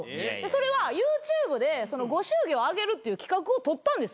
それＹｏｕＴｕｂｅでご祝儀をあげるっていう企画を撮ったんですよ。